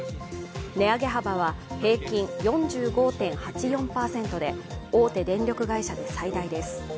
値上げ幅は平均４５．８４％で大手電力会社で最大です。